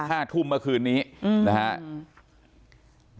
ห้าทุ่มเมื่อคืนนี้อืมนะฮะ